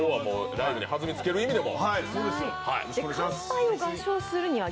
ライブにはずみをつける意味でも。